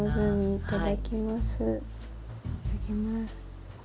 いただきます。